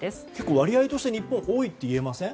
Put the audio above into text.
割合として日本は多いといえませんか。